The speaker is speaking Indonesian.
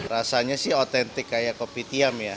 rasanya sih otentik kayak kopi tiam ya